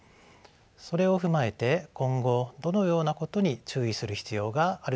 それを踏まえて今後どのようなことに注意する必要があるでしょうか。